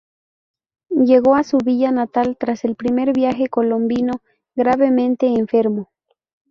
Llegó a su villa natal, tras el primer viaje colombino, gravemente enfermo.